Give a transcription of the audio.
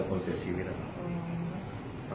พ่อคนเสียชีวิตหรือ